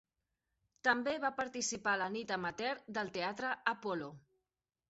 També va participar a la nit amateur del Teatre Apollo.